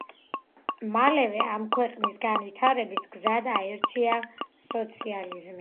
მალევე მან ქვეყნის განვითარების გზად აირჩია სოციალიზმი.